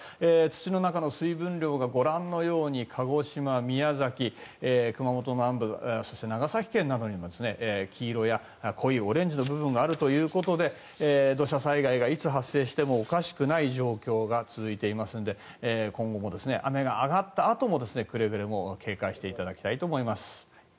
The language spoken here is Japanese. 土の中の水分量がご覧のように鹿児島、宮崎熊本南部そして長崎県などにも黄色や濃いオレンジの部分があるということで土砂災害がいつ発生してもおかしくない状況が続いていますので今後も雨が上がったあともくれぐれも警戒していただきたいと思います。